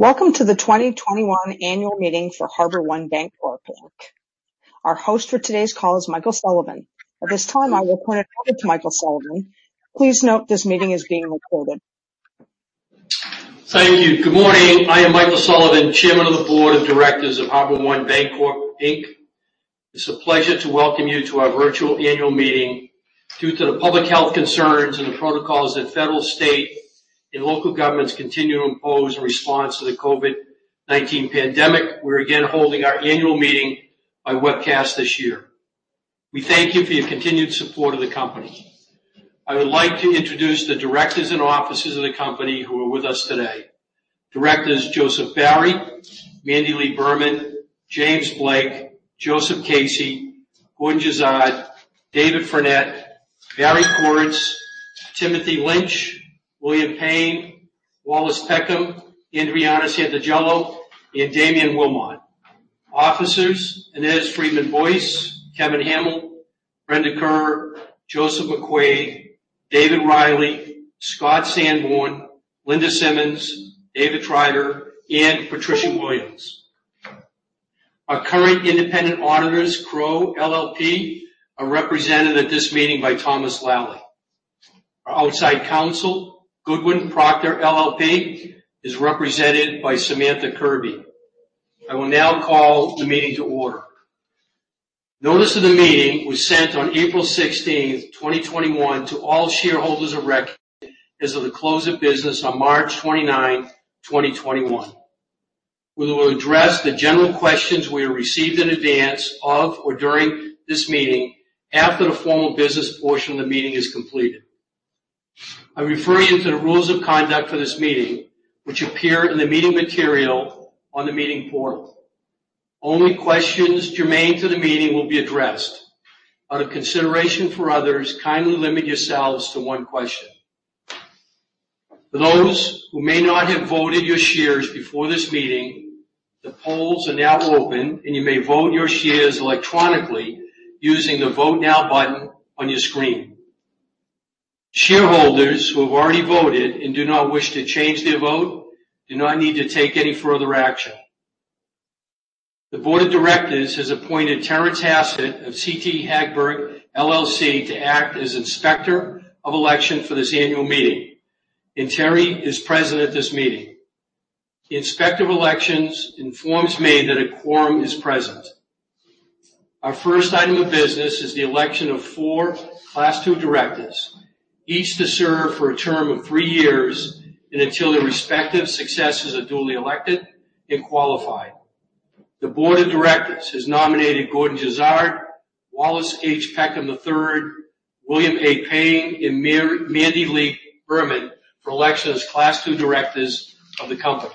Welcome to the 2021 annual meeting for HarborOne Bancorp, Inc. Our host for today's call is Michael Sullivan. At this time, I will point it over to Michael Sullivan. Please note this meeting is being recorded. Thank you. Good morning. I am Michael Sullivan, Chairman of the Board of Directors of HarborOne Bancorp, Inc. It's a pleasure to welcome you to our virtual annual meeting. Due to the public health concerns and the protocols that federal, state, and local governments continue to impose in response to the COVID-19 pandemic, we're again holding our annual meeting by webcast this year. We thank you for your continued support of the company. I would like to introduce the Directors and Officers of the company who are with us today. Directors, Joseph Barry, Mandy Lee Berman, James Blake, Joseph Casey, Gordon Jezard, David Frenette, Barry Koretz, Timothy Lynch, William Parent, Wallace Peckham, Andreana Santangelo, and Damian Wilmot. Officers, Inez Friedman-Boyce, Kevin Hamill, Brenda Kerr, Joseph McQuade, David Reilly, Scott Sanborn, Linda Simmons, David Frenette, and Patricia Williams. Our current independent auditors, Crowe LLP, are represented at this meeting by Thomas Lally. Our outside counsel, Goodwin Procter LLP, is represented by Samantha Kirby. I will now call the meeting to order. Notice of the meeting was sent on April 16th, 2021, to all shareholders of record as of the close of business on March 29th, 2021. We will address the general questions we have received in advance of or during this meeting after the formal business portion of the meeting is completed. I refer you to the rules of conduct for this meeting, which appear in the meeting material on the meeting portal. Only questions germane to the meeting will be addressed. Out of consideration for others, kindly limit yourselves to one question. For those who may not have voted your shares before this meeting, the polls are now open, and you may vote your shares electronically using the Vote Now button on your screen. Shareholders who have already voted and do not wish to change their vote do not need to take any further action. The board of directors has appointed Tara Tassett of CT Hagberg LLC to act as Inspector of Election for this annual meeting, and Tara is present at this meeting. The Inspector of Election informs me that a quorum is present. Our first item of business is the election of four Class II directors, each to serve for a term of three years and until their respective successors are duly elected and qualified. The board of directors has nominated Gordon Jezard, Wallace H. Peckham III, William A. Parent, and Mandy Lee Berman for election as Class II directors of the company.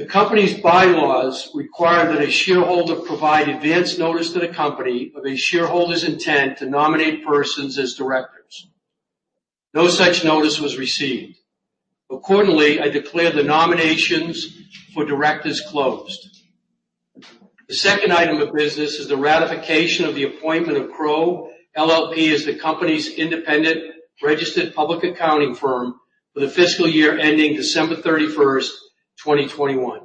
The company's bylaws require that a shareholder provide advance notice to the company of a shareholder's intent to nominate persons as directors. No such notice was received. Accordingly, I declare the nominations for directors closed. The second item of business is the ratification of the appointment of Crowe LLP as the company's independent registered public accounting firm for the fiscal year ending December 31st, 2021.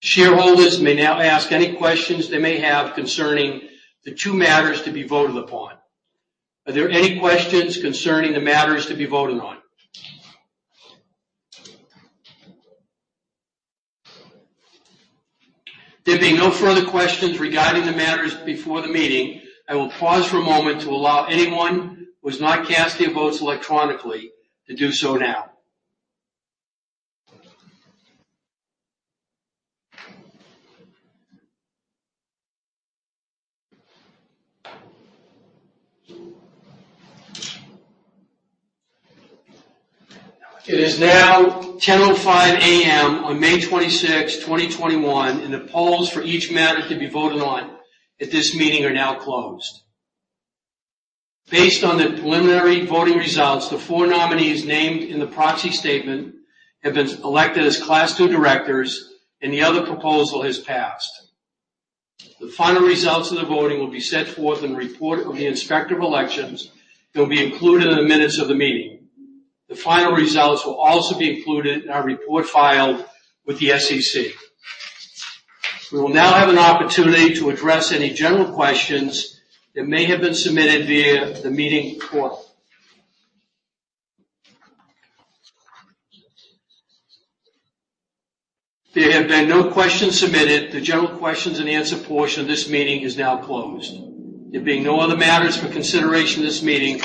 Shareholders may now ask any questions they may have concerning the two matters to be voted upon. Are there any questions concerning the matters to be voted on? There being no further questions regarding the matters before the meeting, I will pause for a moment to allow anyone who has not cast their votes electronically to do so now. It is now 10:05 A.M. on May 26th, 2021, and the polls for each matter to be voted on at this meeting are now closed. Based on the preliminary voting results, the four nominees named in the proxy statement have been elected as Class II directors, and the other proposal has passed. The final results of the voting will be set forth in the report of the Inspector of Election that will be included in the minutes of the meeting. The final results will also be included in our report filed with the SEC. We will now have an opportunity to address any general questions that may have been submitted via the meeting portal. There have been no questions submitted. The general questions and answer portion of this meeting is now closed. There being no other matters for consideration at this meeting